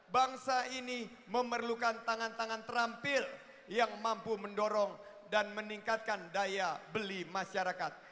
bangsa ini memerlukan tangan tangan terampil yang mampu mendorong dan meningkatkan daya beli masyarakat